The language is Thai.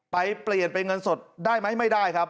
เปลี่ยนเป็นเงินสดได้ไหมไม่ได้ครับ